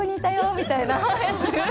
みたいな。